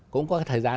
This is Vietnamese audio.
cũng có thời gian